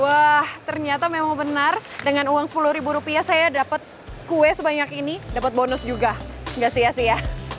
wah ternyata memang benar dengan uang sepuluh ribu rupiah saya dapat kue sebanyak ini dapat bonus juga nggak sia sia